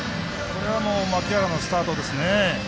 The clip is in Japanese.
これは牧原のスタートですね。